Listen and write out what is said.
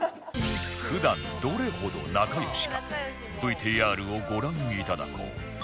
普段どれほど仲良しか ＶＴＲ をご覧いただこう